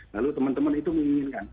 lalu teman teman itu menginginkan